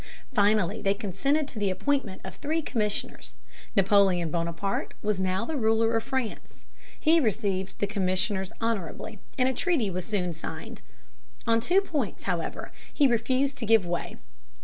Finally they consented to the appointment of three commissioners. Napoleon Bonaparte was now the ruler of France. He received the commissioners honorably, and a treaty was soon signed. On two points, however, he refused to give way.